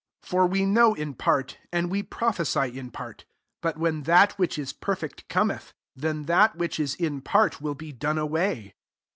9 For we know in part, and we prophesy in part: 10 but when that which is perfect cometh, \jhen\ that which is in part will be done away.